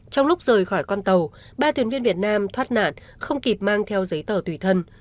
trong lúc rời khỏi con tàu ba thuyền viên việt nam thoát nạn không kịp mang theo giấy tờ tùy thân